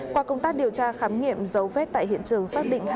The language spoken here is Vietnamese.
qua công tác điều tra khám nghiệm dấu vết tại hiện trường xác định